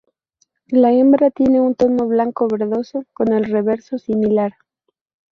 La hembra tiene un tono blanco-verdoso, con el reverso similar.